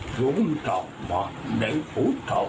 ยุมดามันนี่คูดา